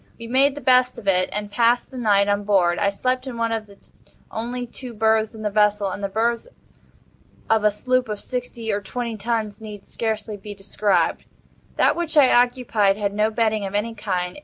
We made the best of it, and passed the night on board. I slept in one of the only two berths in the vessel—and the berths of a sloop of sixty or twenty tons need scarcely be described. That which I occupied had no bedding of any kind.